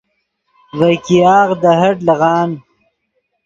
ڤے ګیاغ دے ہٹ لیغان